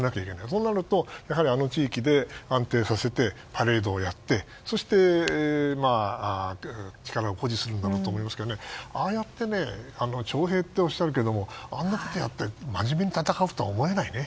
そうなるとあの地域で安定させてパレードをやって、そして力を誇示するんだと思いますがああやって徴兵っておっしゃるけどもあんなことをやって真面目に戦うとは思えないね。